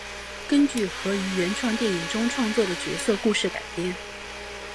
根据和于原创电影中创作的角色故事改编。